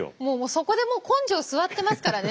そこでもう根性すわってますからね